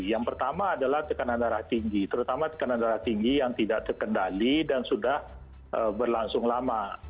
yang pertama adalah tekanan darah tinggi terutama tekanan darah tinggi yang tidak terkendali dan sudah berlangsung lama